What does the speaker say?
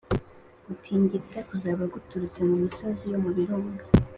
gutingita kuzaba guturutse mu misozi yomubirunga